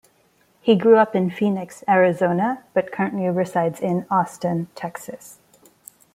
He grew up in Phoenix, Arizona, but currently resides in Austin, Texas.